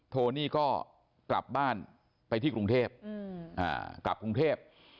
โทนี่ก็กลับบ้านไปที่กรุงเทพกลับกรุงเทพ